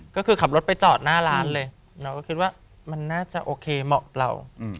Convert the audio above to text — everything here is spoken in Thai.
ก็คือขับรถไปจอดหน้าร้านเลยเราก็คิดว่ามันน่าจะโอเคเหมาะเรา